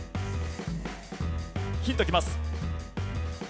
ヒントきます。